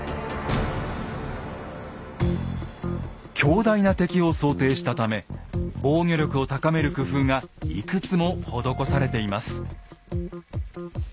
強大な敵を想定したため防御力を高める工夫がいくつも施されています。